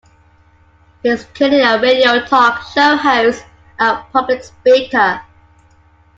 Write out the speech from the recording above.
He is currently a radio talk show host and public speaker.